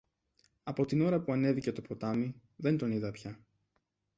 Από την ώρα που ανέβηκε το ποτάμι, δεν τον είδα πια.